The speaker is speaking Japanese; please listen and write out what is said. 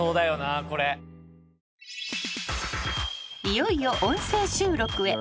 ［いよいよ音声収録へ］